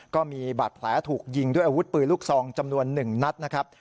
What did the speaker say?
ก็มีบาดแผลถูกยิงด้วยอาวุธปืนลูกซองจำนวน๑นัดนะครับ